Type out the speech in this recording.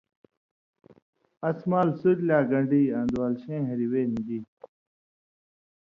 اس مال سُریۡ لا گݩڈی آں دُوالشَیں ہریۡ وے نی دی